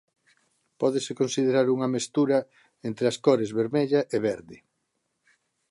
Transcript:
Pódese considerar unha mestura entre as cores vermella e verde.